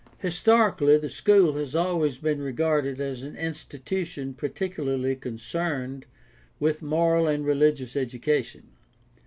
— Historically the school has always been regarded as an institution particularly concerned with moral and religious education.